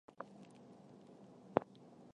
抱嶷居住在直谷。